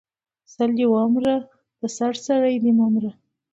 سل دی ومره د سر سړی د مه مره